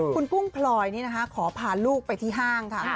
คุณกุ้งพลอยนี่นะคะขอพาลูกไปที่ห้างค่ะ